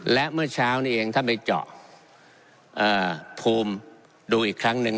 และเมื่อเช้านี้เองถ้าไปเจาะภูมิดูอีกครั้งหนึ่ง